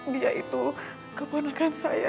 dia itu keponakan saya